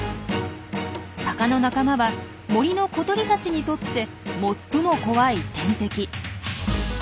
タカの仲間は森の小鳥たちにとって最も怖い天敵。